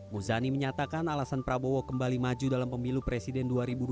muzani menyatakan alasan prabowo kembali maju dalam pemilu presiden dua ribu dua puluh